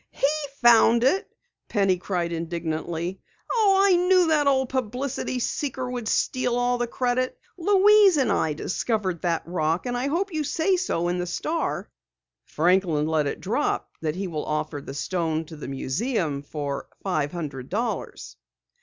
"He found it!" Penny cried indignantly. "Oh, I knew that old publicity seeker would steal all the credit! Louise and I discovered that rock, and I hope you say so in the Star." "Franklin let it drop that he will offer the stone to the museum for five hundred dollars."